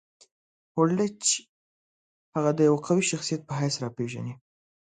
هولډیچ هغه د یوه قوي شخصیت په حیث راپېژني.